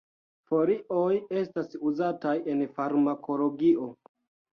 Folioj estas uzataj en farmakologio.